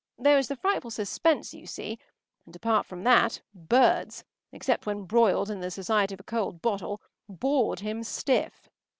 There was the frightful suspense, you see, and, apart from that, birds, except when broiled and in the society of a cold bottle, bored him stiff.